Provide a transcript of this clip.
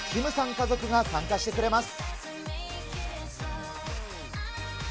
家族が参加してくれます。